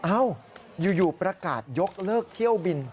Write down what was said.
เอ้าอยู่ประกาศยกเลิกเที่ยวบิน